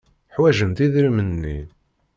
Ḥwajent idrimen-nni.